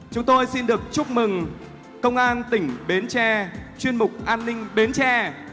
chúng tôi xin được chúc mừng công an tỉnh bến tre chuyên mục an ninh bến tre